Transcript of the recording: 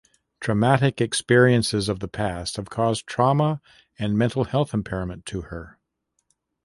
Traumatic experiences of the past have caused trauma and mental health impairment to her.